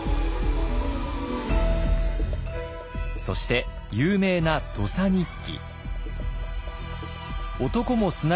そして有名な「土佐日記」。